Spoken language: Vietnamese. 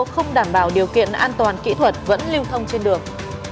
không đảm bảo điều kiện an toàn kỹ thuật vẫn lưu thông trên đường